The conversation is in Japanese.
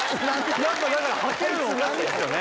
やっぱだからはけるのおかしいですよね？